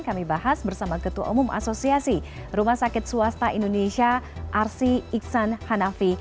kami bahas bersama ketua umum asosiasi rumah sakit swasta indonesia arsi iksan hanafi